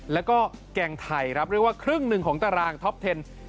แล้วก็แกงไทยครับเรียกว่าครึ่งหนึ่งของตารางท็อปเทน